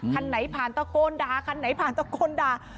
คันไหนผ่านตะโกนด่าคันไหนผ่านตะโกนด่า